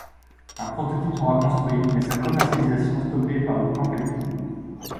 Un prototype sera construit, mais sa commercialisation stoppée par le Plan Calcul.